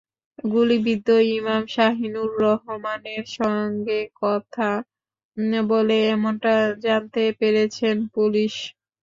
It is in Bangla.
গুলিবিদ্ধ ইমাম শাহিনুর রহমানের সঙ্গে কথা বলে এমনটা জানতে পেরেছে পুলিশ।